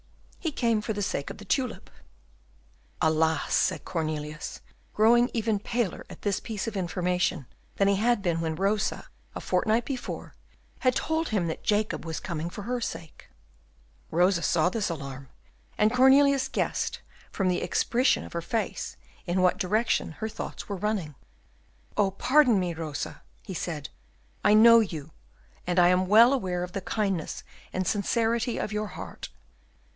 "He came for the sake of the tulip." "Alas!" said Cornelius, growing even paler at this piece of information than he had been when Rosa, a fortnight before, had told him that Jacob was coming for her sake. Rosa saw this alarm, and Cornelius guessed, from the expression of her face, in what direction her thoughts were running. "Oh, pardon me, Rosa!" he said, "I know you, and I am well aware of the kindness and sincerity of your heart.